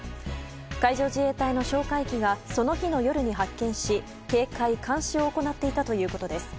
海上自衛隊の哨戒機がその日の夜に発見し、警戒監視を行っていたということです。